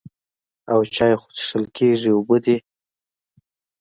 او چای خو څښل کېږي اوبه دي.